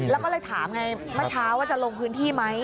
แล้วก็เลยถามไงเมื่อเช้าว่าจะลงพื้นที่ไหม